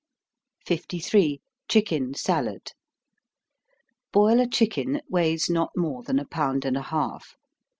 53. Chicken Salad. Boil a chicken that weighs not more than a pound and a half.